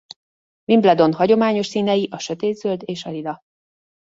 Wimbledon hagyományos színei a sötétzöld és a lila.